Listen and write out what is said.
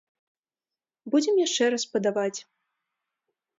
Будзем яшчэ раз падаваць.